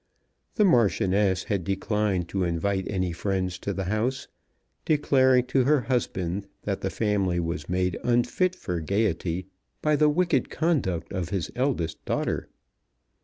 The Marchioness had declined to invite any friends to the house, declaring to her husband that the family was made unfit for gaiety by the wicked conduct of his eldest daughter.